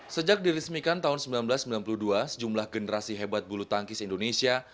sejak dirismikan tahun seribu sembilan ratus sembilan puluh dua sejumlah generasi hebat bulu tangkis indonesia